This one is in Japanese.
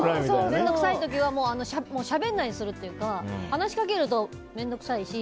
面倒くさい時はしゃべらないようにするというか話しかけると面倒くさいし。